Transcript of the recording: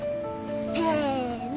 せの。